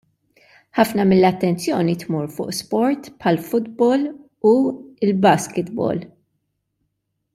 Ħafna mill-attenzjoni tmur fuq sport bħall-futbol u l-basketball.